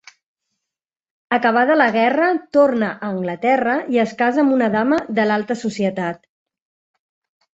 Acabada la guerra, torna a Anglaterra i es casa amb una dama de l'alta societat.